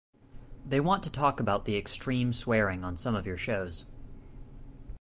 They want to talk about the extreme swearing on some of your shows.